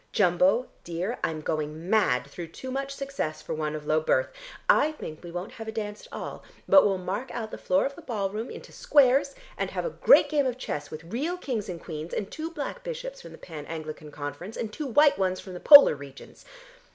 Jumbo, dear, I'm going mad through too much success for one of low birth. I think we won't have a dance at all, but we'll mark out the floor of the ballroom into squares, and have a great game of chess with real kings and queens, and two black bishops from the Pan Anglican Conference, and two white ones from the polar regions.